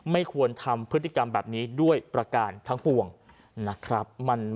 ไม่ควรทำพฤติกรรมแบบนี้ด้วยประการทั้งปวงนะครับ